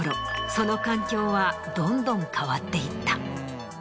その環境はどんどん変わっていった。